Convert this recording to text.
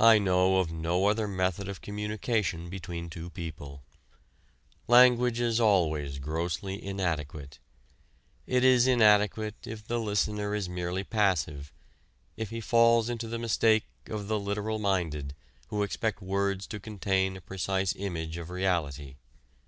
I know of no other method of communication between two people. Language is always grossly inadequate. It is inadequate if the listener is merely passive, if he falls into the mistake of the literal minded who expect words to contain a precise image of reality.